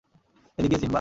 এদিকে, সিম্বা!